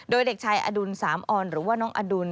โดยเด็กชายอดุลสามออนหรือว่าน้องอดุล